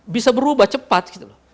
bisa berubah cepat